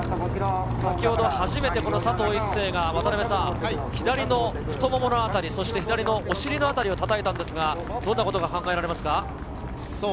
先ほど初めて佐藤一世が左の太腿の辺り、左のお尻の辺りを叩いたんですが、どんなことが考えられますか？